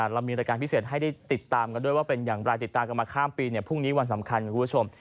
เรามีรายการพิเศษให้ได้ติดตามกันด้วยว่าเป็นอย่างไรติดตามกันมาข้ามปีพรุ่งนี้วันสำคัญคุณผู้ชม